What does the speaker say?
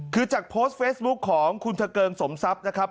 คือจากโพสต์เฟซบุ๊คของคุณทะเกิงสมทรัพย์นะครับ